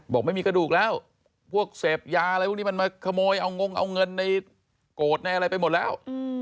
บอกไม่มีกระดูกแล้วพวกเสพยาอะไรพวกนี้มันมาขโมยเอางงเอาเงินในโกรธในอะไรไปหมดแล้ว